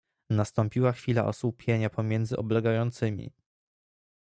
"Nastąpiła chwila osłupienia pomiędzy oblegającymi."